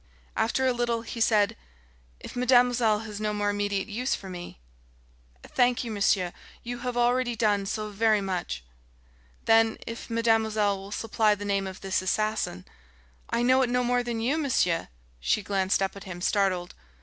After a little, he said: "If mademoiselle has no more immediate use for me " "Thank you, monsieur. You have already done so very much!" "Then, if mademoiselle will supply the name of this assassin " "I know it no more than you, monsieur!" She glanced up at him, startled.